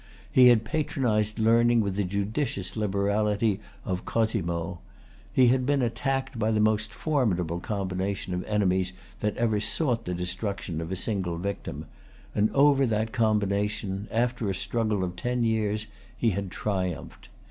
He had patronized learning with the judicious liberality of Cosmo. He had been attacked by the most formidable combination of enemies that ever sought the destruction of a single victim; and over that combination, after a struggle of ten years, he had triumphed.